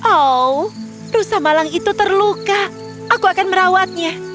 oh rusa malang itu terluka aku akan merawatnya